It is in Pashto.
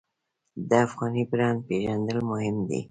د افغاني برنډ پیژندل مهم دي